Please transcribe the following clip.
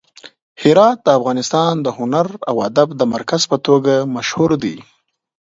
هرات د افغانستان د هنر او ادب د مرکز په توګه مشهور دی.